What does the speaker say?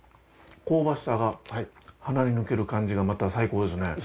香ばしさが鼻に抜ける感じがまた最高ですね。